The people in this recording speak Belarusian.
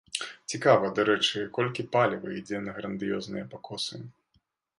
Цікава, дарэчы, колькі паліва ідзе на грандыёзныя пакосы?